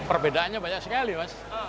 perbedaannya banyak sekali mas